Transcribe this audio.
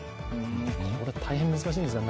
これ大変難しいんですね